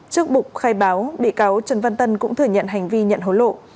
trước bục khai báo bị cáo trần văn tân cũng thừa nhận hành vi nhận hối lộ